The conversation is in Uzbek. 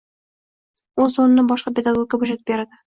Oʻz oʻrnini boshqa pedagogga boʻshatib beradi